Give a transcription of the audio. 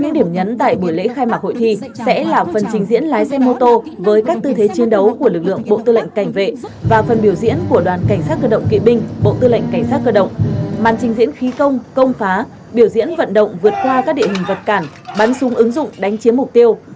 những điểm nhấn tại buổi lễ khai mạc hội thi sẽ là phần trình diễn lái xe mô tô với các tư thế chiến đấu của lực lượng bộ tư lệnh cảnh vệ và phần biểu diễn của đoàn cảnh sát cơ động kỵ binh bộ tư lệnh cảnh sát cơ động màn trình diễn khí công công phá biểu diễn vận động vượt qua các địa hình vật cản bắn súng ứng dụng đánh chiếm mục tiêu